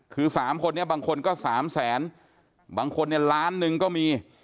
คือ๓คนนี้บางคนก็สามแสนบางคนเนี่ยล้านหนึ่งก็มี